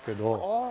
ああ。